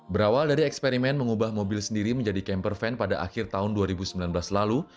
berawal dari eksperimen mengubah mobil sendiri menjadi camper van pada akhir tahun dua ribu sembilan belas lalu